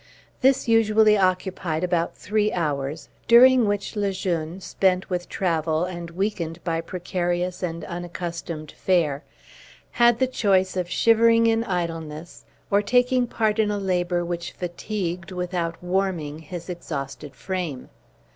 This usually occupied about three hours, during which Le Jeune, spent with travel, and weakened by precarious and unaccustomed fare, had the choice of shivering in idleness, or taking part in a labor which fatigued, without warming, his exhausted frame.